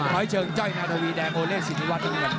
ร้อยเชิงจ้อยนาตาวีแดงโอเล่สินวัตต์โอเงิน